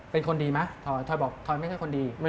เป็นคนดีไหมทอยบอกทอยไม่ใช่คนดี